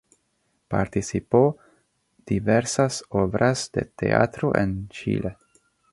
Participó diversas obras de teatro en Chile.